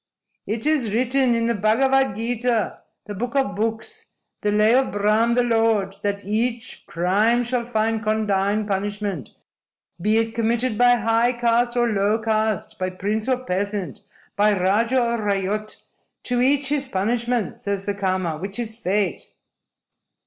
"It is written in the Bhagavad Gita, the Book of Books, the Lay of Brahm the Lord, that each crime shall find condign punishment, be it committed by high caste or low caste, by prince or peasant, by raja or ryot. To each his punishment, says the Karma, which is fate!"